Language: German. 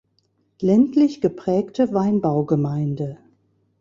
Ländlich geprägte Weinbaugemeinde.